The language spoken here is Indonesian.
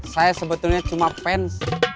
saya sebetulnya cuma fans